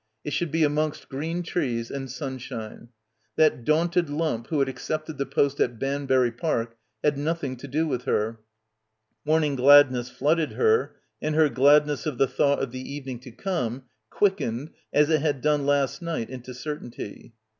It should be amongst green trees and sun shine. That daunted lump who had accepted the post at Banbury Park had nothing to do with 4 6 BACKWATER her. Morning gladness flooded her, and her glad ness of the thought of the evening to come quick ened as it had done last night into certainty.